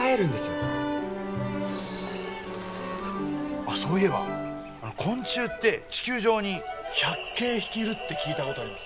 あそういえば昆虫って地球上に１００京匹いるって聞いたことあります。